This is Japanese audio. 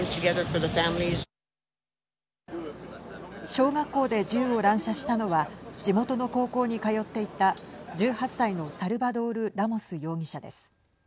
小学校で銃を乱射したのは地元の高校に通っていた１８歳のサルバドール・ラモス容疑者です。